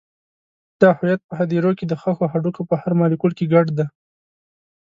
دا هویت په هدیرو کې د ښخو هډوکو په هر مالیکول کې ګډ دی.